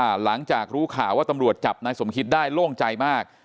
หลังจากรู้ข่าวว่าตำรวจจับนายสมคิตได้โล่งใจมาก